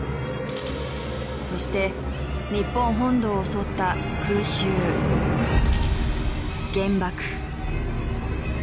そして日本本土を襲った空襲原爆。